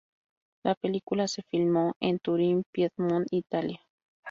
La película se filmó en Turin, Piedmont, Italia.